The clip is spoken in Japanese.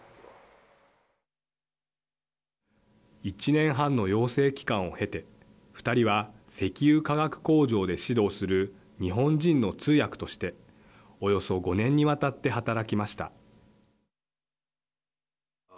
１年半の養成期間を経て２人は石油化学工場で指導する日本人の通訳としておよそ５年にわたって働きました。